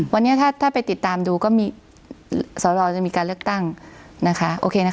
วันนี้ถ้าไปติดตามดูก็มีสรจะมีการเลือกตั้งนะคะโอเคนะคะ